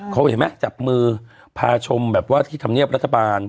เขาเห็นไหมจับมือพาชมแบบว่าที่ธรรมเนียบรัฐบาล